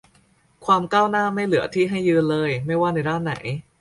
ความก้าวหน้าไม่เหลือที่ให้ยืนเลย ไม่ว่าในด้านไหน